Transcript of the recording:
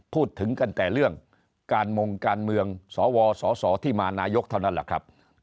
พูดถึงกันแต่เรื่องการมงการเมืองสวสสที่มานายกเท่านั้นแหละครับ